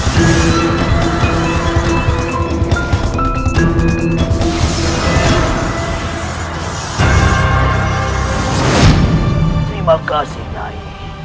terima kasih nyai